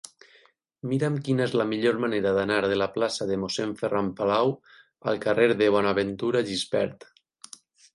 Mira'm quina és la millor manera d'anar de la plaça de Mossèn Ferran Palau al carrer de Bonaventura Gispert.